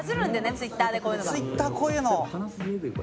「ツイッターこういうの」